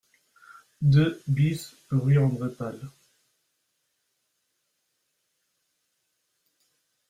deux BIS rue André Pal